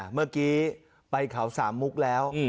เมื่อกี้ไปเขาสามมุกแล้ว